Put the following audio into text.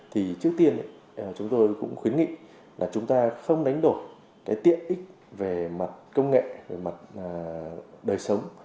thì trước tiên chúng tôi cũng khuyến nghị là chúng ta không đánh đổi cái tiện ích về mặt công nghệ về mặt đời sống